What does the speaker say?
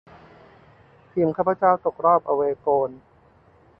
ทีมข้าพเจ้าตกรอบอะเวย์โกล